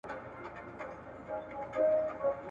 افغانان د عقیدې په وسله سمبال ول.